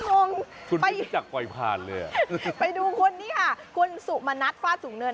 งงทุนไม่ได้จากวัยผ่านเลยอ่ะไปดูคนเนี้ยคนสุมนัสฟาดสูงเนิน